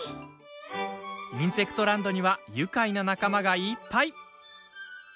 インセクトランドには愉快な仲間がいっぱい。